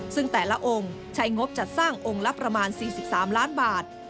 ซึ่งแต่ละองค์ใช้งบจัดสร้างองค์ละประมาณ๔๓ล้านบาท